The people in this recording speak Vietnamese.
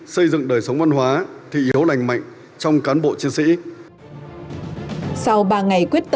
xây dựng đời sống văn hóa thi yếu lành mạnh trong cán bộ chiến sĩ